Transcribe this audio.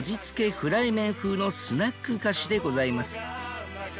フライ麺風のスナック菓子でございます。